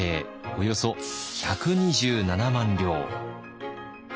およそ１２７万両。